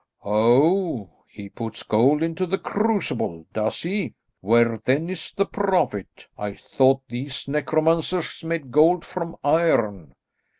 "Oh, he puts gold into the crucible, does he? Where then is the profit? I thought these necromancers made gold from iron."